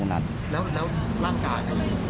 ๖นัดเลย